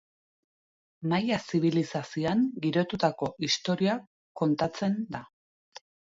Maia zibilizazioan girotutako istorioa kontatzen da.